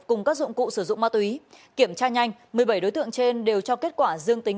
cùng các dụng cụ sử dụng ma túy kiểm tra nhanh một mươi bảy đối tượng trên đều cho kết quả dương tính